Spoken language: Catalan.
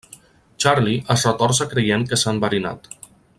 Charlie es retorça creient que s'ha enverinat.